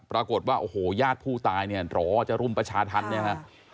ประกดว่าโอ้โหญาติผู้ตายเหรอจะรุมประชาธรรมณ์เนี่ย